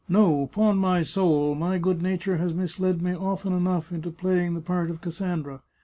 No, 'pon my soul! my good nature has misled me often enough into playing the part of Cassandra.